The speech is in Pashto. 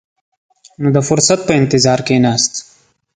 نو د فرصت په انتظار کښېناست.